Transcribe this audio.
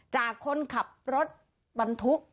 จากคนขับรถบรรทุก